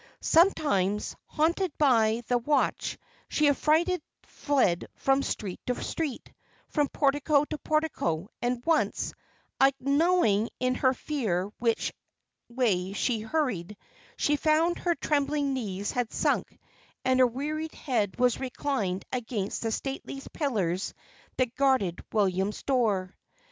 Sometimes, hunted by the watch, she affrighted fled from street to street, from portico to portico; and once, unknowing in her fear which way she hurried, she found her trembling knees had sunk, and her wearied head was reclined against the stately pillars that guarded William's door.